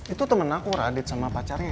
itu temen aku radit sama pacarnya